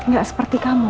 gak seperti kamu